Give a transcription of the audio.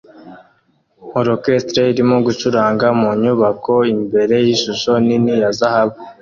Orchestre irimo gucuranga mu nyubako imbere yishusho nini ya zahabu